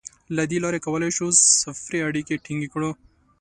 له دې لارې کولای شو سفري اړیکې ټینګې کړو.